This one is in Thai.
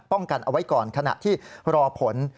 กันเอาไว้ก่อนขณะที่รอผล